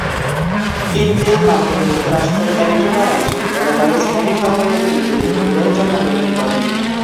Angel, মার্কিন যুক্তরাষ্ট্রের Arizona রাজ্যের প্যারাডাইস ভ্যালি শহরে একটি ইহুদি পরিবারে জন্মগ্রহণ করেন।